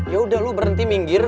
yaudah lu berhenti minggir